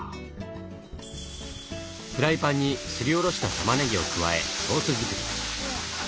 フライパンにすりおろしたたまねぎを加えソース作り。